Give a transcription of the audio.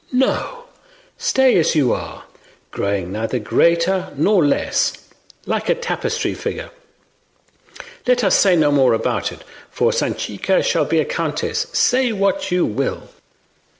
No, stay as you are, growing neither greater nor less, like a tapestry figure Let us say no more about it, for Sanchica shall be a countess, say what you will."